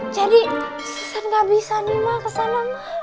jadi susan gak bisa nih ma ke sana ma